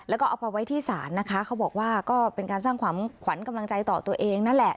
แล้วก็เอาไปไว้ที่ศาลนะคะเขาบอกว่าก็เป็นการสร้างความขวัญกำลังใจต่อตัวเองนั่นแหละ